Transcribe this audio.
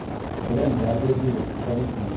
Iban-d ziɣ argaz-nni d amsestan uslig.